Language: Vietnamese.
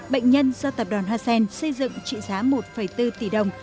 bệnh nhân do tập đoàn hoa sen xây dựng trị giá một bốn tỷ đồng